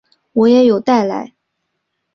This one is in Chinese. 我也有带来